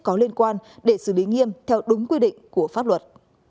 có liên quan để xử lý nghiêm theo đúng quy định của pháp luật